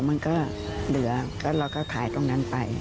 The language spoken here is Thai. มันก็เหลือเราก็ขายตรงนั้นไป